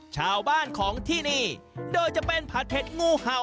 ชาวบ้านของที่นี่โดยจะเป็นผัดเผ็ดงูเห่า